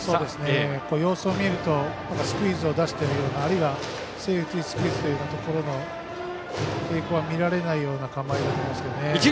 様子を見るとスクイズを出しているようなあるいはセーフティースクイズというところの傾向が見られないような構えです。